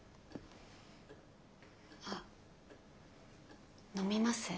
あっ飲みます？